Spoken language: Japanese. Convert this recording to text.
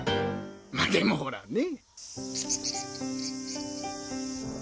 までもほらね。